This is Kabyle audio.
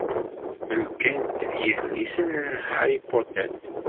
Melken-t yidlisen n Harry Potter.